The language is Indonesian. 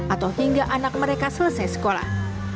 atau hingga anak mereka selesai sekolah